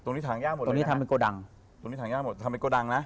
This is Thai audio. ตรงนี้ถางยากหมดเลยนะครับตรงนี้ทำเป็นโกดังทำเป็นโกดังนะ